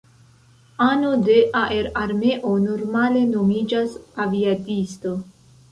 Ano de aerarmeo normale nomiĝas aviadisto.